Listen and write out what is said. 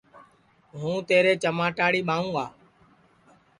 ہوں تیرے چماٹاڑی ٻائوگا